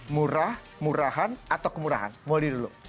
murah murahan atau kemurahan mulai dulu